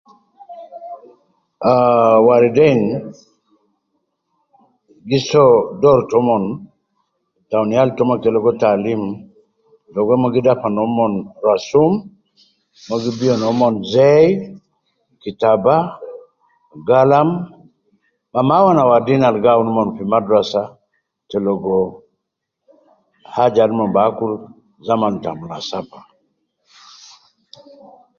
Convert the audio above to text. Ah waleidein gi soo doru tomon kalam yal tomon ke ligo taalim, logo mon gi dafa nomon rasum, mon gi biyo nomon ze kitaba, galam ,ma mawana wadin al gi awun omon fi madrasa te logo aja al mon bi akul zaman ta amula safa